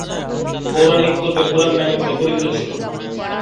পৌরাণিক পূর্বে পুরাণ নামে পরিচিত ছিল।